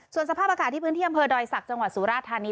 ส่วนสภาพอากาศที่บอเต้นเที่ยมโดยศักดิ์จังหวัดสุราธาริย์